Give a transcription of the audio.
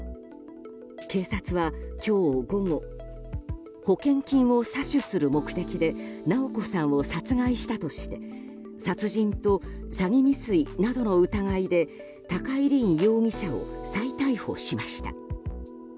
警察は今日午後保険金を詐取する目的で直子さんを殺害したとして殺人と詐欺未遂などの疑いで高井凜容疑者を再逮捕しました。